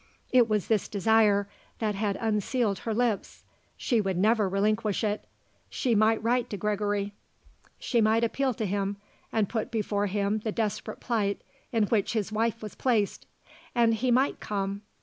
It was this desire that had unsealed her lips: she would never relinquish, it. She might write to Gregory; she might appeal to him and put before him the desperate plight in which his wife was placed. And he might come.